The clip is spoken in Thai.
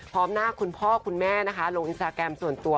พร้อมหน้าคุณพ่อคุณแม่นะคะลงอินสตาแกรมส่วนตัว